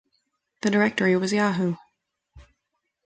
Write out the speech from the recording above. The directory was Yahoo!